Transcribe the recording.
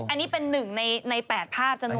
อันนี้เป็นหนึ่งใน๘ภาพจำนวนภาพนี้